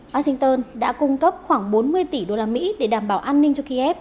washington đã cung cấp khoảng bốn mươi tỷ usd để đảm bảo an ninh cho kiev